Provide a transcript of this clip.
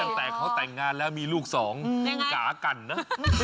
ตั้งแต่เขาแต่งงานแล้วมีลูกสองก๋ากันนะ